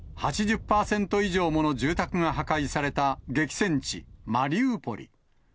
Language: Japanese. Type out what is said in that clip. ８０％以上もの住宅が破壊された激戦地マリウポリ。